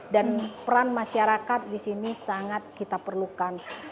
dan peran masyarakat di sini sangat kita perlukan